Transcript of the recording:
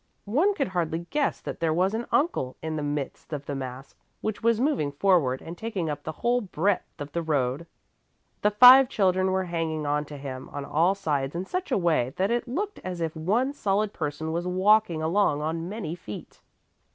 One could hardly guess that there was an uncle in the midst of the mass which was moving forward and taking up the whole breadth of the road. The five children were hanging on to him on all sides in such a way that it looked as if one solid person was walking along on many feet.